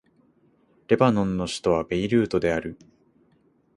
レバノンの首都はベイルートである